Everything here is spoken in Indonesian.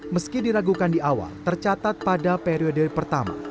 meski diragukan di awal tercatat pada periode pertama